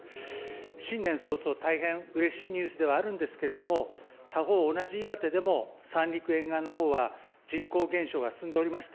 新年早々、大変うれしいニュースではあるんですけれども、他方、同じ岩手でも三陸沿岸のほうは、人口減少が進んでおりまして、